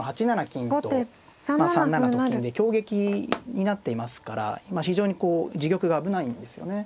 金と３七と金で挟撃になっていますから非常にこう自玉が危ないんですよね。